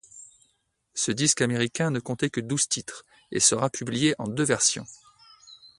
Ce disque américain ne comptait que douze titres et sera publié en deux versions.